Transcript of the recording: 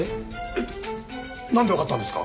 えっなんでわかったんですか？